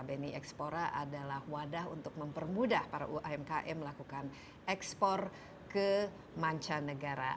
bni ekspora adalah wadah untuk mempermudah para umkm melakukan ekspor ke mancanegara